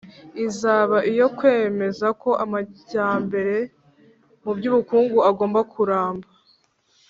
izaba iyo kwemeza ko amajyambere mu by'ubukungu agomba kuramba